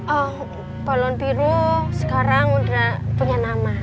oh balon biru sekarang udah punya nama